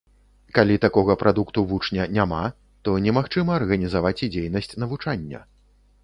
Калі такога прадукту вучня няма, то немагчыма арганізаваць і дзейнасць навучання.